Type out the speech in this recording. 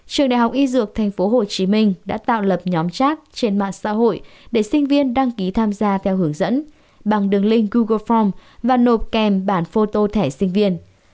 trường đại học y dược tp hcm đã tạo lập nhóm chat trên mạng xã hội để sinh viên đăng ký tham gia theo hướng dẫn bằng đường link google farm và nộp kèm bản phô tô thẻ sinh viên